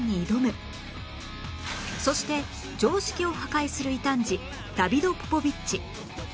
そして常識を破壊する異端児ダビド・ポポビッチ